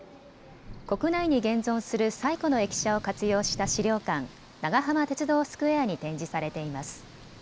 国内に現存する最古の駅舎を活用した資料館、長浜鉄道スクエアに展示されています。